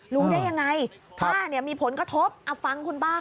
รู้ได้อย่างไรป้ามีผลกระทบฟังคุณป้าค่ะ